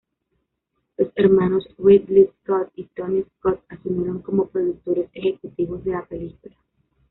Los hermanos Ridley Scott y Tony Scott asumieron como productores ejecutivos de la película.